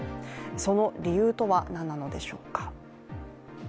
その理由とは何なのでしょうか。